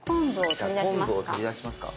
じゃあ昆布を取り出しますか。